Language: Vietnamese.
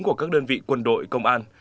của các đơn vị quân đội công an